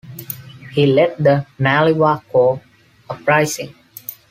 He led the Nalyvaiko Uprising.